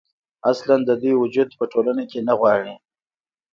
اصـلا د دوي وجـود پـه ټـولـنـه کـې نـه غـواړي.